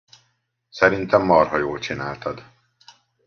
Szerintem marha jól csináltad.